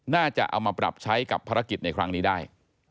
น่าจะเอามาปรับใช้กับภารกิจในครั้งนี้ได้